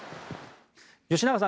吉永さん